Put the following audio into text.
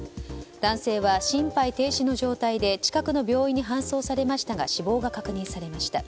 男性は心肺停止の状態で近くの病院に搬送されましたが死亡が確認されました。